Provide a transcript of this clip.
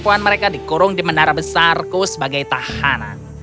jangan sampai mereka dikurung di menara besarku sebagai tahanan